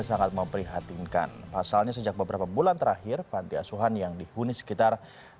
sangat memprihatinkan pasalnya sejak beberapa bulan terakhir panti asuhan yang dihuni sekitar